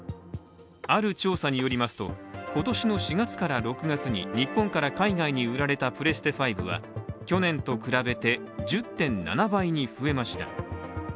ある調査によりますと、今年の４月から６月に日本から海外に売られたプレステ５は去年と比べて１０．７倍に増えました。